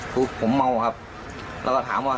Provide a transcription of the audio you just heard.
คือผมเมาครับแล้วก็ถามว่า